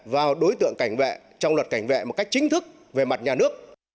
vào đối tượng cảnh vệ trong luật cảnh vệ một cách chính thức về mặt nhà nước